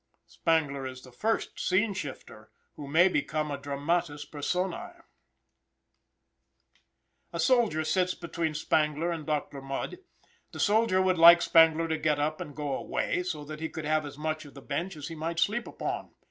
Spangler is the first scene shifter who may become a dramatis personę. A soldier sits between Spangler and Doctor Mudd. The soldier would like Spangler to get up and go away, so that he could have as much of the bench as he might sleep upon.